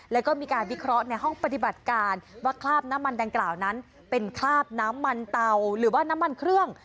แล้วก็มีการวิเคราะห์ในห้องปฏิบัติการว่าคราบน้ำมันดังกล่าวนั้นเป็นคราบน้ำมันเตาหรือว่าน้ำมันเครื่อง